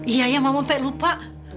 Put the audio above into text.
iya ya mama pe lupa